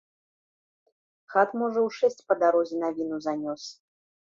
Хат, можа, у шэсць па дарозе навіну занёс.